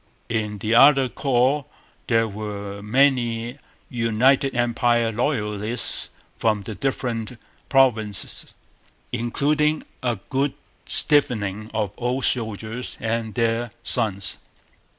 In the other corps there were many United Empire Loyalists from the different provinces, including a good stiffening of old soldiers and their sons.